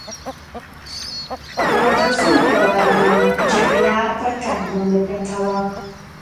ولادت خونې ته ورغلم، جميله پر یو کټ باندې پرته وه.